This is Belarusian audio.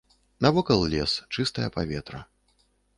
Навокал лес, чыстае паветра.